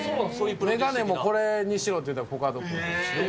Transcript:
眼鏡もこれにしろって言ったのコカド君ですし。